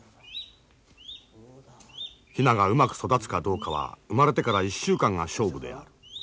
ヒナがうまく育つかどうかは生まれてから１週間が勝負である。